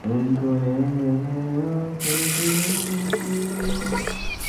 ইসরায়েলের হামলা শুরুর কয়েক ঘণ্টা পরই হামাসের পক্ষ থেকে যুদ্ধবিরতির ঘোষণা এল।